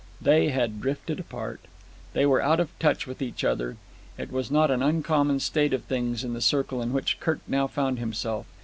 They had drifted apart. They were out of touch with each other. It was not an uncommon state of things in the circle in which Kirk now found himself.